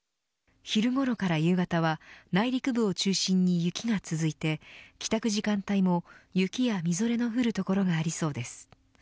昼ごろから夕方は内陸部を中心に雪が続いて帰宅時間帯も雪やみぞれの降る所がありそうです。